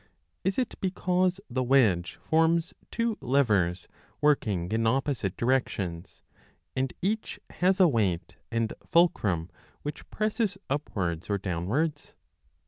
Is it because the wedge forms two levers working in opposite directions, and each has a weight and fulcrum which presses upwards or downwards